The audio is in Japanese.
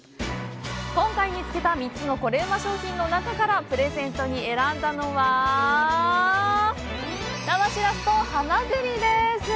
今回見つけた３つのコレうま商品の中からプレゼントに選んだのは生シラスとハマグリです！